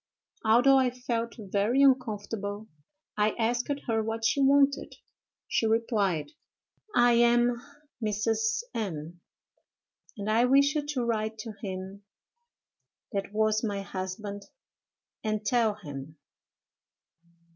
"'Although I felt very uncomfortable, I asked her what she wanted. She replied, "I am Mrs. M——, and I wish you to write to him that was my husband, and tell him....."